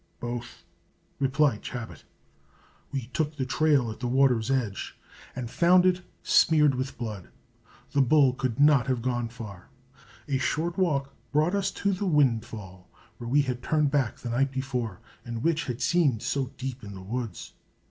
"Both," replied Chabot. We took the trail at the water's edge, and found it smeared with blood. The bull could not have gone far. A short walk brought us to the windfall where we had turned back the night before, and which had seemed so deep in the woods.